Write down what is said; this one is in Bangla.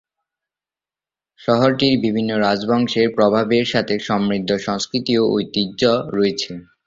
শহরটির বিভিন্ন রাজবংশের প্রভাবের সাথে সমৃদ্ধ সংস্কৃতি ও ঐতিহ্য রয়েছে।